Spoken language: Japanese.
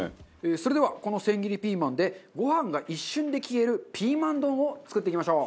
それではこの千切りピーマンでご飯が一瞬で消えるピーマン丼を作っていきましょう。